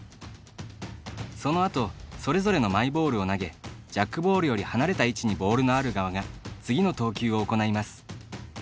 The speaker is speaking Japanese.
そのあと、それぞれのマイボールを投げジャックボールより離れた位置にボールのある側が次の投球を行います。